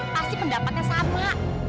pasti pendapatnya sama